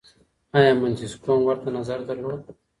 آیا منتسکیو هم ورته نظر درلود؟